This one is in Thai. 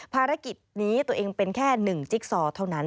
ภารกิจนี้ตัวเองเป็นแค่๑จิ๊กซอเท่านั้น